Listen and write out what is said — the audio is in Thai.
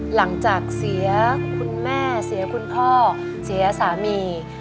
หลังจากเสียคุณแม่เสียคุณพ่อเสียสามี